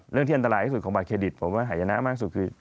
ที่อันตรายที่สุดของบัตเครดิตผมว่าหายนะมากสุดคือ